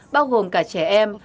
bao gồm cả trẻ em